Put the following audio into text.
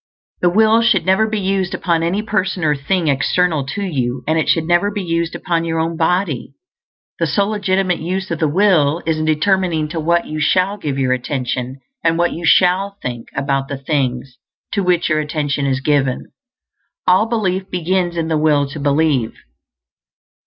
_ The will should never be used upon any person or thing external to you, and it should never be used upon your own body. The sole legitimate use of the will is in determining to what you shall give your attention, and what you shall think about the things to which your attention is given. All belief begins in the will to believe.